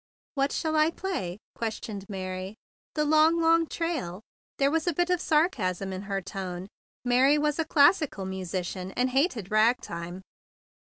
"What shall I play?" questioned Mary. " 'The long, long trail'?" There was a bit of sarcasm in her tone. Mary was a real musician, and hated rag time.